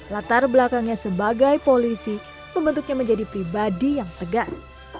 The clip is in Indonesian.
latar belakangnya sebagai polisi membentuknya menjadi pribadi yang tegas